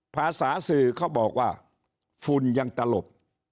ภาษาสื่อเขาบอกว่าฝุ่นยังตลบ